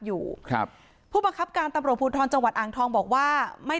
อยู่ครับผู้บังคับการตำรวจภูทรจังหวัดอ่างทองบอกว่าไม่